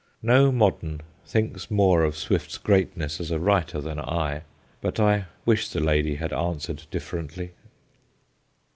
No modern thinks more of Swift's greatness as a writer than I, but I wish the lady had answered differently.